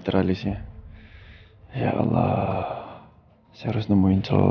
tolong saya dikasih tau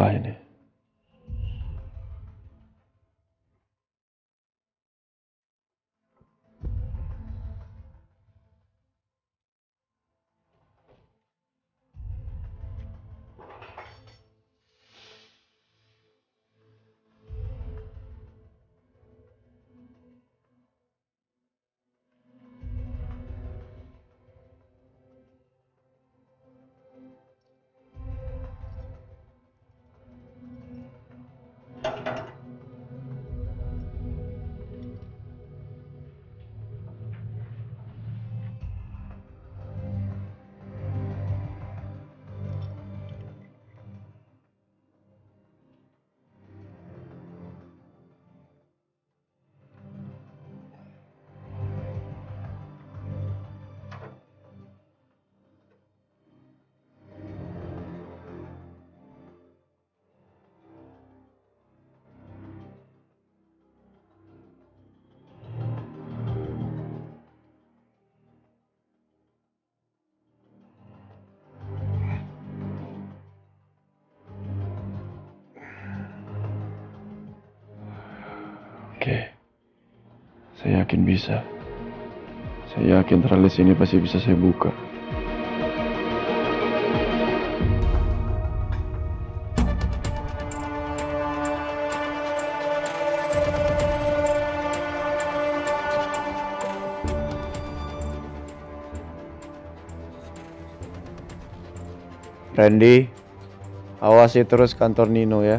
ya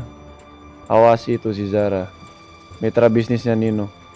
ren